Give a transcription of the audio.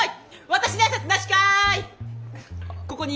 私に挨拶なしかい！